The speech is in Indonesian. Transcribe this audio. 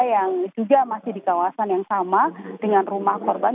yang juga masih di kawasan yang sama dengan rumah korban